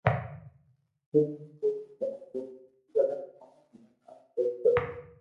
تو ھون پوري طرح گلت ھون ھين آ سھي ڪوئي نو